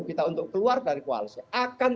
kita untuk keluar dari koalisi akan